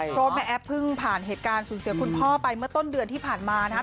เพราะว่าแม่แอฟเพิ่งผ่านเหตุการณ์สูญเสียคุณพ่อไปเมื่อต้นเดือนที่ผ่านมานะครับ